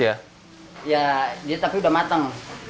ya tapi sudah matang